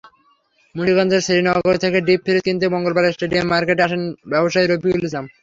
মুন্সিগঞ্জের শ্রীনগর থেকে deep freeze কিনতে মঙ্গলবার স্টেডিয়াম মার্কেটে আসেন ব্যবসায়ী রফিকুল ইসলাম।